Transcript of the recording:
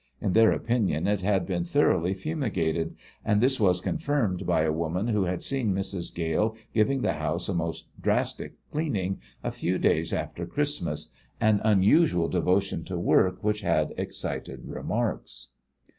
In their opinion it had been thoroughly fumigated, and this was confirmed by a woman who had seen Mrs. Gale giving the house a most drastic cleaning a few days after Christmas, an unusual devotion to work which had excited remarks.